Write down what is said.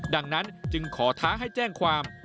ดังนั้นจึงขอท้าให้แจ้งความ